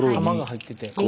玉が入ってて。